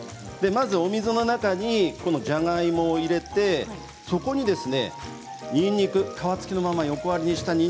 まず、お水の中にじゃがいもを入れてそこに、にんにく皮付きのまま。